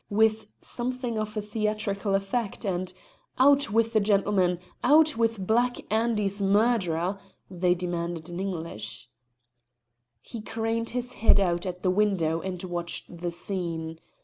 with something of theatrical effect, and "Out with the gentleman! out with Black Andy's murderer!" they demanded in English. He craned his head out at the Window and watched the scene.